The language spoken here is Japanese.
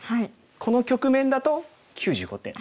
この局面だと９５点。